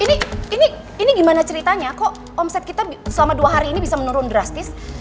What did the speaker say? ini gimana ceritanya kok omset kita selama dua hari ini bisa menurun drastis